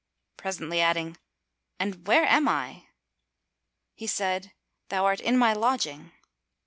presently adding, "And where am I?" He said, "Thou art in my lodging."